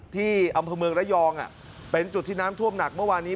ที่อำเภอเมืองระยองเป็นจุดที่น้ำท่วมหนักเมื่อวานนี้